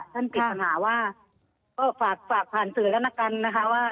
ท่านปิดสมาหร์ว่าก็ฝากฝากผ่านสื่อธนกรรมนะคะว่า